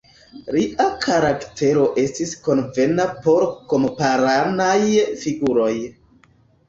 Lia karaktero estis konvena por kamparanaj figuroj.